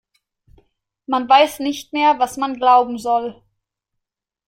Man weiß nicht mehr, was man glauben soll.